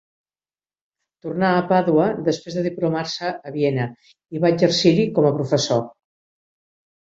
Tornà a Pàdua després de diplomar-se a Viena i va exercir-hi com a professor.